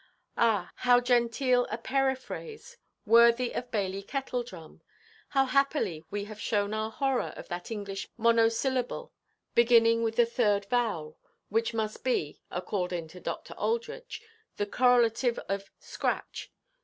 Ah, how genteel a periphrase, worthy of Bailey Kettledrum; how happily we have shown our horror of that English monosyllable, beginning with the third vowel, which must be (according to Dr. Aldrich) the correlative of scratch!